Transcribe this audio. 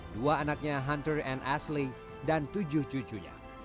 dua anaknya hunter and asling dan tujuh cucunya